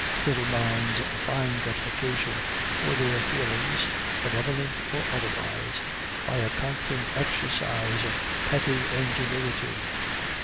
Little minds find gratification for their feelings, benevolent or otherwise, by a constant exercise of petty ingenuity.